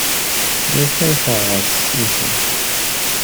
D acu ay teɣs ihi?